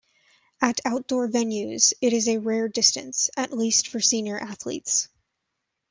At outdoor venues it is a rare distance, at least for senior athletes.